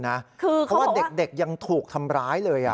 เพราะว่าเด็กยังถูกทำร้ายเลย